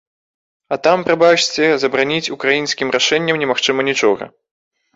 А там, прабачце, забараніць украінскім рашэннем немагчыма нічога.